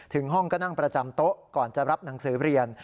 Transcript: ถึงห้องก็นั่งประจำโต๊ะก่อนจะรับหนังสือเรียน